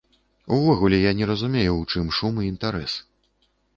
Увогуле я не разумею, у чым шум і інтарэс.